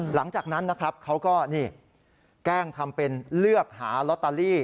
หลังจากนั้นนะครับเขาก็นี่แกล้งทำเป็นเลือกหาลอตเตอรี่